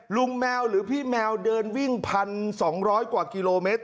ลุงแมวหรือพี่แมวเดินวิ่งพันสองร้อยกว่ากิโลเมตร